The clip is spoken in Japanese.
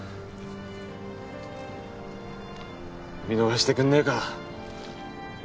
見逃してくんねえか？